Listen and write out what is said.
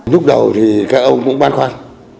lúc đầu thì các ông cũng bán khoản